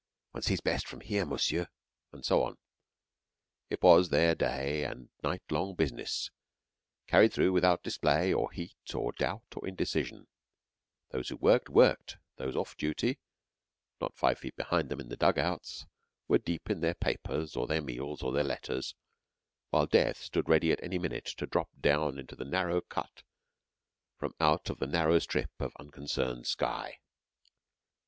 "One sees best from here, monsieur," and so on. It was their day and night long business, carried through without display or heat, or doubt or indecision. Those who worked, worked; those off duty, not five feet behind them in the dug outs, were deep in their papers, or their meals or their letters; while death stood ready at every minute to drop down into the narrow cut from out of the narrow strip of unconcerned sky.